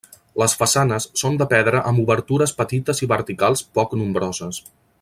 Les façanes són de pedra amb obertures petites i verticals poc nombroses.